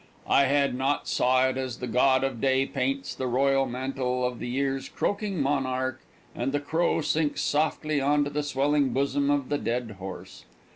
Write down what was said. I had not saw it as the god of day paints the royal mantle of the year's croaking monarch and the crow sinks softly onto the swelling bosom of the dead horse.